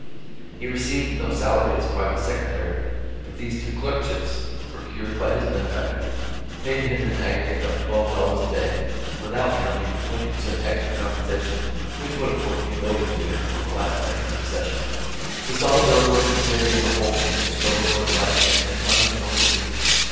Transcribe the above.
He received no salary as private secretary, but these two clerkships, procured by his benefactor, paid him an aggregate of twelve dollars a day, without counting the twenty percent extra compensation which would of course be voted to him on the last night of the session. He saw the bill go into Committee of the whole and struggle for its life again, and finally worry through.